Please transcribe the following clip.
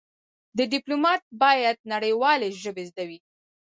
د ډيپلومات بايد نړېوالې ژبې زده وي.